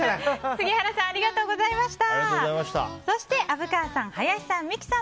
杉原さんありがとうございました。